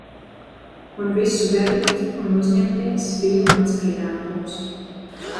Un visu veikt un uzņemties bija mans pienākums.